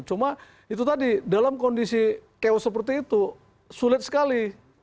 cuma itu tadi dalam kondisi chaos seperti itu sulit sekali